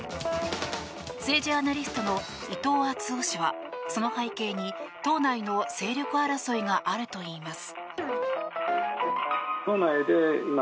政治アナリストの伊藤惇夫氏はその背景に党内の勢力争いがあるといいます。